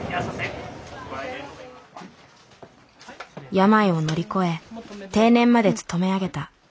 病を乗り越え定年まで勤め上げた。